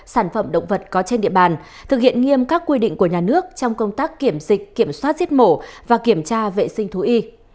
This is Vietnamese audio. sản phẩm động vật có trên địa bàn thực hiện nghiêm các quy định của nhà nước trong công tác kiểm dịch kiểm soát giết mổ và kiểm tra vệ sinh thú y